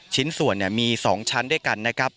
ชิ้นส่วนมี๒ชั้นด้วยกันนะครับ